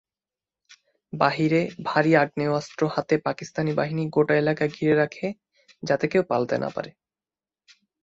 বাহিরে ভারি আগ্নেয়াস্ত্র হাতে পাকিস্তানি বাহিনী গোটা এলাকা ঘিরে রাখে, যাতে কেউ পালাতে না পারে।